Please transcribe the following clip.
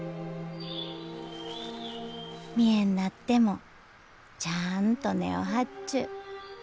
見えんなってもちゃあんと根を張っちゅう。